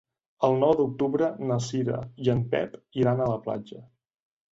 El nou d'octubre na Cira i en Pep iran a la platja.